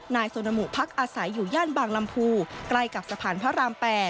นายโซนามุพักอาศัยอยู่ย่านบางลำพูใกล้กับสะพานพระราม๘